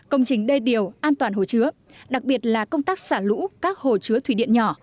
công trình đê điều an toàn hồ chứa đặc biệt là công tác xả lũ các hồ chứa thủy điện nhỏ